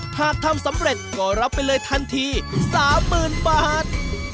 หากทำสำเร็จก็รับไปเลยทันที๓๐๐๐บาท